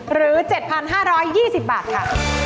หรือ๗๕๒๐บาทค่ะ